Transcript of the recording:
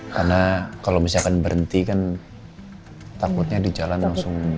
karena kalau misalkan berhenti kan takutnya di jalan langsung